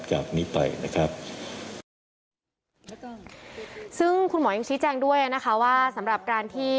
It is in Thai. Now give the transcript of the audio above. จากนี้ไปนะครับซึ่งคุณหมอยังชี้แจงด้วยนะคะว่าสำหรับการที่